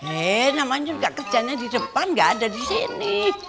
eh namanya juga kerjanya di depan gak ada disini